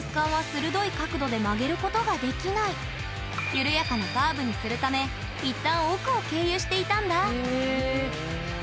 実は緩やかなカーブにするため一旦奥を経由していたんだ！